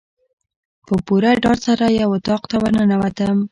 په پوره ډاډ سره یو اطاق ته ورننوتم.